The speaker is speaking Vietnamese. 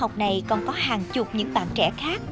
học này còn có hàng chục những bạn trẻ khác